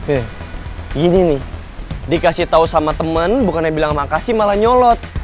eh gini nih dikasih tau sama temen bukannya bilang makasih malah nyolot